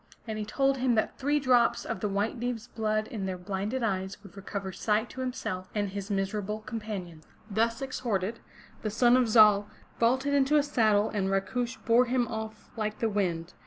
And he told him that three drops of the White Deev's blood in their blinded eyes would recover sight to himself and his miserable companions. Thus exhorted, the son of Zal vaulted into his saddle and Rakush bore him off like the wind.